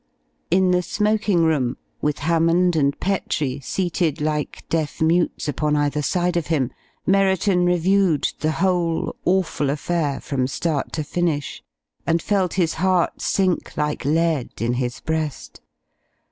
... In the smoking room, with Hammond and Petrie seated like deaf mutes upon either side of him, Merriton reviewed the whole awful affair from start to finish, and felt his heart sink like lead in his breast.